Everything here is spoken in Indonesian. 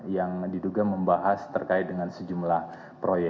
yang diduga membahas terkait dengan sejumlah proyek